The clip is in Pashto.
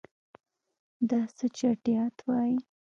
دا څه چټیات وایې.